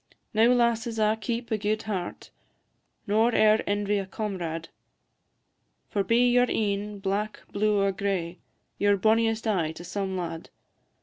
Now lasses a' keep a gude heart, Nor e'er envy a comrade, For be your een black, blue, or gray, Ye 're bonniest aye to some lad.